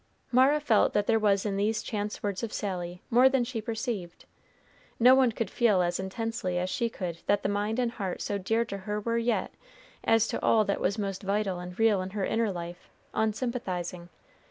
Mara felt that there was in these chance words of Sally more than she perceived. No one could feel as intensely as she could that the mind and heart so dear to her were yet, as to all that was most vital and real in her inner life, unsympathizing.